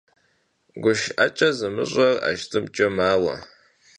Guşşı'eç'e zımış'er 'eşşt'ımç'e maue.